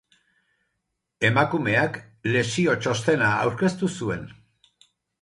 Emakumeak lesio txostena aurkeztu zuen.